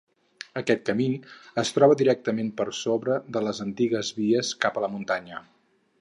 Aquest camí es troba directament per sobre de les antigues vies cap a la muntanya.